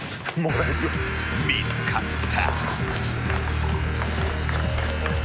［見つかった］